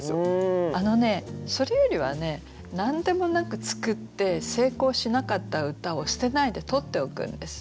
あのねそれよりはね何でもなく作って成功しなかった歌を捨てないで取っておくんです。